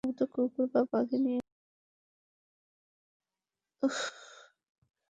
এখানে রোগগ্রস্ত যে লোকটি ছিল তাঁকে সম্ভবত কুকুরে বা বাঘে নিয়ে গেছে।